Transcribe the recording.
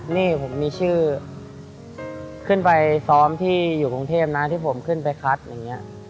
นี่ผมมีชื่อขึ้นไปซ้อมที่อยู่กรุงเทพนะที่ผมขึ้นไปคัดอย่างนี้